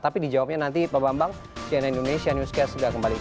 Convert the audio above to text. tapi dijawabnya nanti pak bambang cnn indonesia newscast sudah kembali